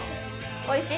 おいしい？